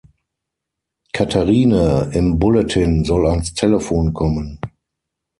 Katherine im Bulletin soll ans Telefon kommen!